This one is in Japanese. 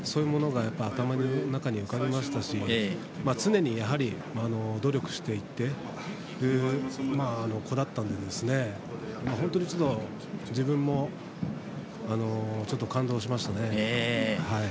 それが頭の中に浮かびましたし常に努力していってという子だったので本当に、自分もちょっと感動しましたね。